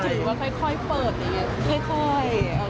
หรือว่าค่อยเปิดอย่างเงี้ย